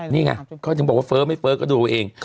นี่ไงเขาจึงบอกว่าเฟ้อร์ดไม่เฟ้อร์ดก็ดูเอง